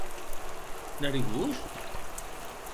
Narigós?